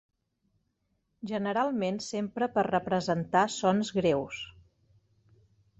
Generalment s'empra per representar sons greus.